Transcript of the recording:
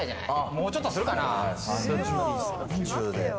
もうちょっとするかな？